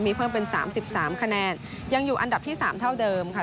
มีเพิ่มเป็น๓๓คะแนนยังอยู่อันดับที่๓เท่าเดิมค่ะ